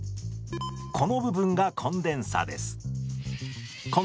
この部分がコンデンサです。